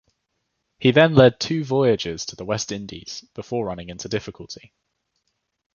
He then led two voyages to the West Indies before running into difficulty.